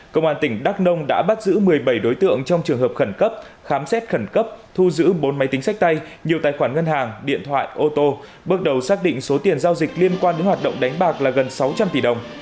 công an tỉnh đắk nông đã bắt giữ một mươi bảy đối tượng trong trường hợp khẩn cấp khám xét khẩn cấp thu giữ bốn máy tính sách tay nhiều tài khoản ngân hàng điện thoại ô tô bước đầu xác định số tiền giao dịch liên quan đến hoạt động đánh bạc là gần sáu trăm linh tỷ đồng